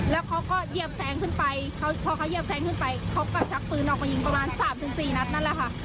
แล้วเขาก็เยี่ยมแซงขึ้นไปพอเขาเยียบแซงขึ้นไปเขาก็ชักปืนออกมายิงประมาณ๓๔นัดนั่นแหละค่ะ